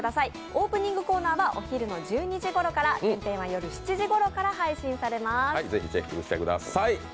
オープニングコーナーはお昼の１２時ごろから全編は夜７時ごろから配信されます。